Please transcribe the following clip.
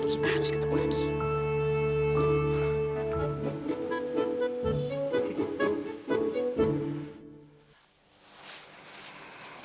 kita harus ketemu lagi